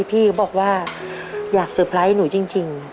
พี่บอกว่าอยากสุดสนใจให้หนูจริง